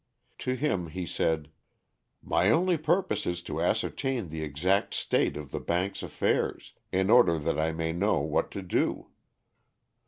To him he said: "My only purpose is to ascertain the exact state of the bank's affairs, in order that I may know what to do."